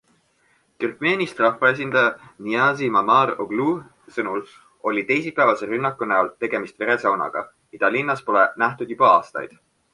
Türkmeenist rahvaesindaja Niazi Maamar Oglu sõnul oli teisipäevase rünnaku näol tegemist veresaunaga, mida linnas pole nähtud juba aastaid.